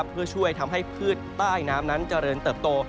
เพื่อช่วยทำให้พืชใต้น้ำนั้นเจริญเติบโต